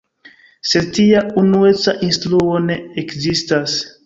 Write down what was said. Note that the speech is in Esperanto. Sed tia unueca instruo ne ekzistas.